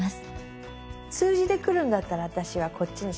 数字でくるんだったら私はこっちにしよ。